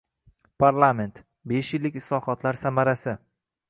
Parlament: besh yillik islohotlar samarasi